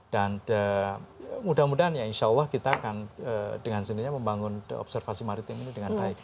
dan mudah mudahan ya insya allah kita akan dengan sendirinya membangun observasi maritim ini dengan baik